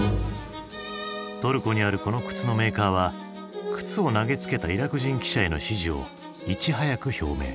トルコにあるこの靴のメーカーは靴を投げつけたイラク人記者への支持をいち早く表明。